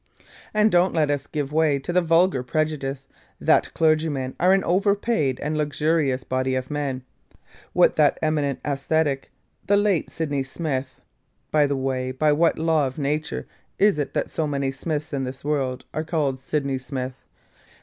And don't let us give way to the vulgar prejudice, that clergymen are an over paid and luxurious body of men. When that eminent ascetic, the late Sydney Smith (by the way, by what law of nature is it that so many Smiths in this world are called Sydney Smith?)